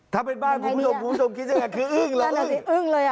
ถ้าเป็นบ้านคุณผู้ชมคุณผู้ชมคิดยังไงคืออึ้งเลยอึ้งเลยอ่ะ